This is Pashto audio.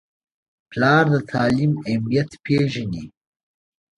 پلار د تعلیم اهمیت پیژني.